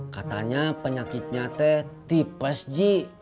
katanya penyakitnya te tipes ji